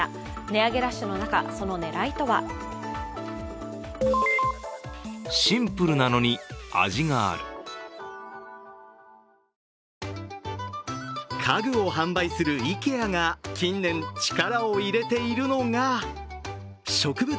値上げラッシュの中、その狙いとは家具を販売するＩＫＥＡが近年、力を入れているのが植物